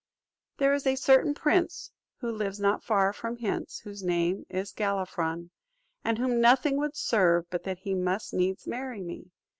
There is a certain prince who lives not far from hence, whose name is Galifron, and whom nothing would serve but that he must needs marry me.